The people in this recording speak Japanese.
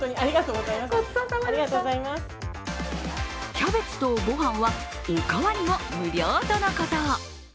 キャベツと御飯はお代わりも無料とのこと。